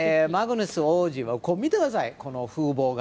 マグヌス王子は見てください、この風貌。